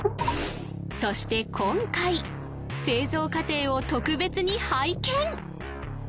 そして今回製造過程を特別に拝見！